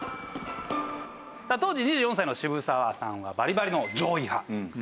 当時２４歳の渋沢さんはバリバリの攘夷派。